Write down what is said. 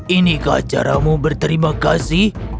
inikah caramu berterima kasih